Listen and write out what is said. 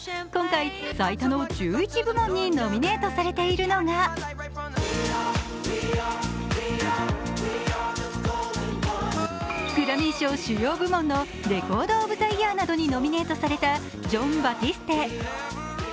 今回、最多の１１部門にノミネートされているのがグラミー賞主要部門のレコード・オブ・ザ・イヤーなどにノミネートされたジョン・バティステ。